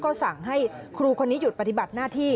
ก็สั่งให้ครูคนนี้หยุดปฏิบัติหน้าที่